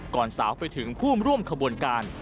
ก่อนสาวไปถึงภูมิร่วมขบวนการ